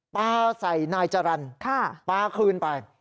ปลาใส่นายจรรย์ปลาคืนไป